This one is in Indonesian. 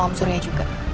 om suria juga